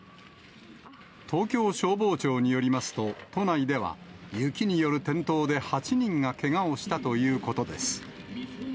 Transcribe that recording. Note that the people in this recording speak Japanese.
東京消防庁によりますと、都内では雪による転倒で８人がけがをしたということです。